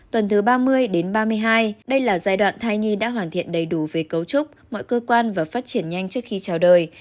tuần thứ ba mươi đến ba mươi hai đây là giai đoạn thai nhi đã hoàn thiện đầy đủ về cấu trúc mọi cơ quan và phát triển nhanh trước khi chào đời